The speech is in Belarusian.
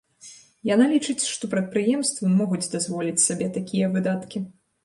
Яна лічыць, што прадпрыемствы могуць дазволіць сабе такія выдаткі.